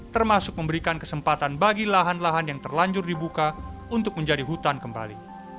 termasuk memberikan kesempatan bagi lahan lahan yang terlanjur dibuka untuk menjadi hutan kembali